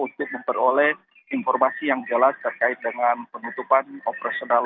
untuk memperoleh informasi yang jelas terkait dengan penutupan operasional